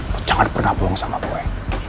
lo jangan pernah bohong sama gue